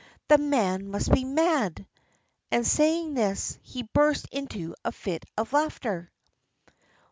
The man must be mad!" and saying this, he burst into a fit of laughter.